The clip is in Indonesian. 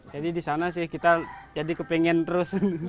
jadi disana sih kita jadi kepengen terus